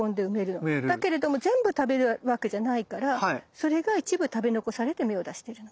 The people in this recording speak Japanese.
だけれども全部食べるわけじゃないからそれが一部食べ残されて芽を出してるの。